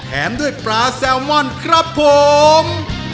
ด้วยปลาแซลมอนครับผม